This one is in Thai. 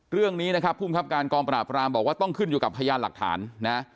เรื่องนี้นะครับภูมิครับการกองปราบรามบอกว่าต้องขึ้นอยู่กับพยานหลักฐานนะ